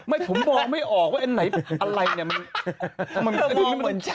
ไม่ผมมองไม่ออกว่าแอ่อะไรนี่